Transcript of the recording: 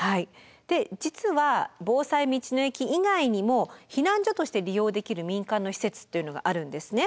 実は防災道の駅以外にも避難所として利用できる民間の施設っていうのがあるんですね。